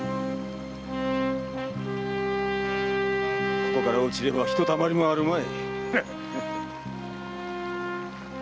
ここから落ちればひとたまりもあるまい。